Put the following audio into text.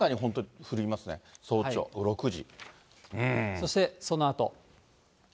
そしてそのあと。